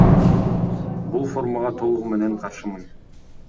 Бул формага толугу менен каршымын.